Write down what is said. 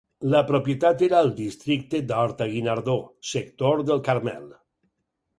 La propietat era al districte d'Horta-Guinardó, sector del Carmel.